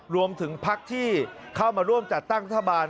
รวมถึงพักที่เข้ามาร่วมจัดตั้งรัฐบาล